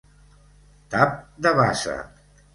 Tap de bassa.